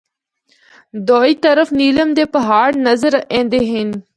دوئی طرف نیلم دے پہاڑ نظر ایندے ہن۔